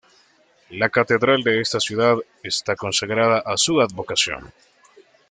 La Catedral de esta ciudad está consagrada a su advocación.